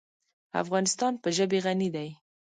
افغانستان په ژبې غني دی.